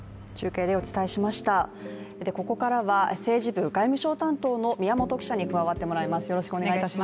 ここからは政治部外務省担当の宮本記者に加わっていただきます。